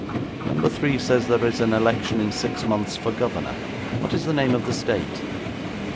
'Number Three says there is an election in six months for governor. What is the name of the state?'